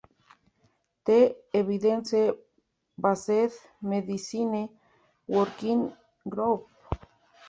The Evidence-Based Medicine Working Group.